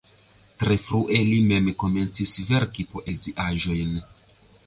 Tre frue li mem komencis verki poeziaĵojn.